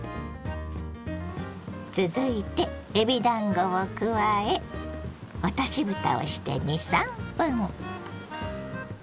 続いてえびだんごを加え落としぶたをして２３分。